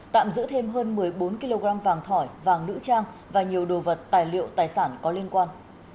tạm giữ thêm hơn một mươi bốn kg vàng thỏi vàng nữ trang và nhiều đồ vật tài liệu tài sản có liên quan